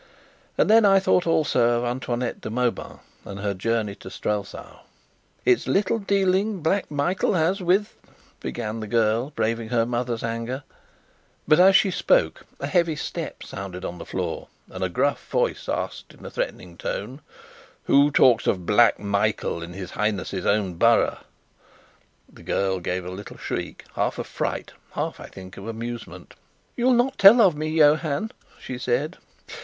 And then I thought also of Antoinette de Mauban and her journey to Strelsau. "It's little dealing Black Michael has with " began the girl, braving her mother's anger; but as she spoke a heavy step sounded on the floor, and a gruff voice asked in a threatening tone: "Who talks of 'Black Michael' in his Highness's own burgh?" The girl gave a little shriek, half of fright half, I think, of amusement. "You'll not tell of me, Johann?" she said.